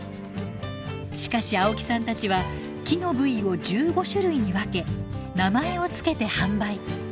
しかし青木さんたちは木の部位を１５種類に分け名前を付けて販売。